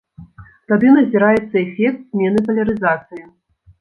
Тады назіраецца эфект змены палярызацыі.